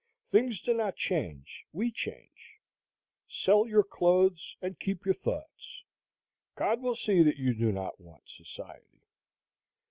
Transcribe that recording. Things do not change; we change. Sell your clothes and keep your thoughts. God will see that you do not want society.